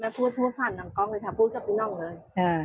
แม่พูดภาพน้ำก้องเลยค่ะพูดจะไปน้องเลย